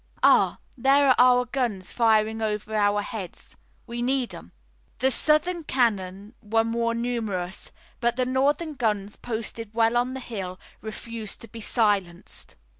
"Ah, there are our guns firing over our heads. We need 'em." The Southern cannon were more numerous, but the Northern guns, posted well on the hill, refused to be silenced.